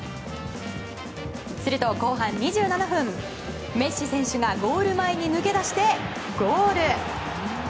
すると後半２７分メッシ選手がゴール前に抜け出しゴール！